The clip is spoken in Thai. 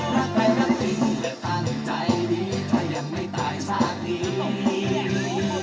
รักไปรักจริงแต่พังใจดีแต่ยังไม่ตายชาติดี